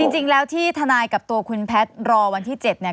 จริงแล้วที่ทนายกับตัวคุณแพทย์รอวันที่๗เนี่ย